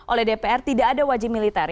oleh dpr tidak ada wajib militer